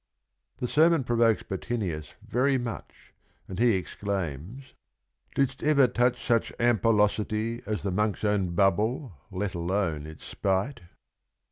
The sermon provokes Bottinius very much, and he exclaims : "Didst ever touch such ampollosity As the monk's own bubble, let alone its spite?